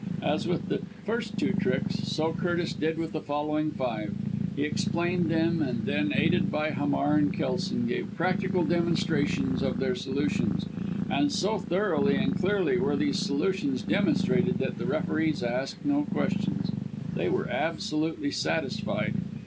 As with the first two tricks, so Curtis did with the following five he explained them, and then, aided by Hamar and Kelson, gave practical demonstrations of their solutions; and so thoroughly and clearly were these solutions demonstrated that the referees asked no questions they were absolutely satisfied.